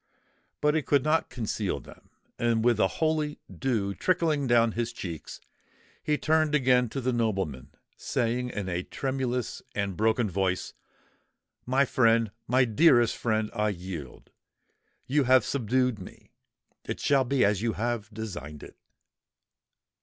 But he could not conceal them; and with the holy dew trickling down his cheeks, he turned again to the nobleman, saying in a tremulous and broken voice,—"My friend—my dearest friend, I yield!—you have subdued me! It shall all be as you have designed it!"